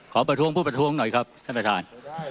ประท้วงผู้ประท้วงหน่อยครับท่านประธาน